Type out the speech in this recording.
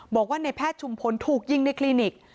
บอกว่าในแพทย์ชุมพลถูกยิงในคลินิก